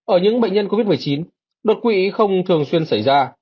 ở những bệnh nhân covid một mươi chín đột quỵ không thường xuyên xảy ra